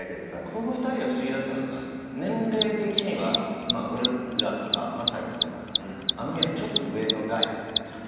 この２人が不思議だったのがさ年齢的には俺らとか将暉とかさあの辺よりちょっと上の代じゃん。